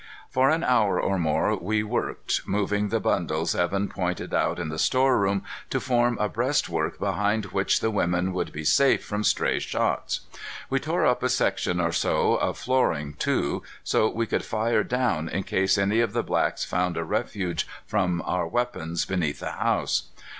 For an hour or more we worked, moving the bundles Evan pointed out in the storeroom to form a breastwork behind which the women would be safe from stray shots. We tore up a section or so of flooring, too, so we could fire down in case any of the blacks found a refuge from our weapons beneath the house.